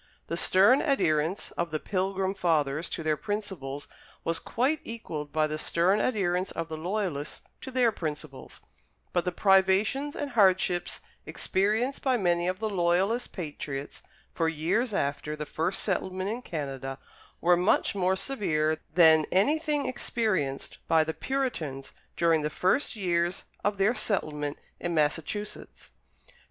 The stern adherence of the Pilgrim Fathers to their principles was quite equalled by the stern adherence of the Loyalists to their principles; but the privations and hardships experienced by many of the Loyalist patriots for years after the first settlement in Canada were much more severe than anything experienced by the Puritans during the first years of their settlement in Massachusetts.